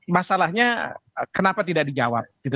masalahnya kenapa tidak dijawab